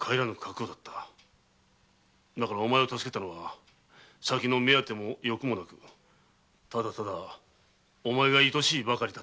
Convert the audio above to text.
だからお前を助けたのは先の目当ても欲もなくただただお前が愛しいばかりだったのだ。